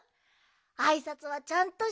あいさつはちゃんとしよう。